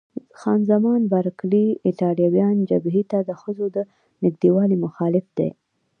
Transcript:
خان زمان بارکلي: ایټالویان جبهې ته د ښځو د نږدېوالي مخالف دي.